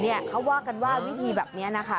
เขาว่ากันว่าวิธีแบบนี้นะคะ